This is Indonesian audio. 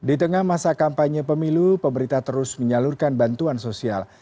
di tengah masa kampanye pemilu pemerintah terus menyalurkan bantuan sosial